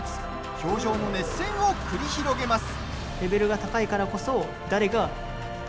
氷上の熱戦を繰り広げます。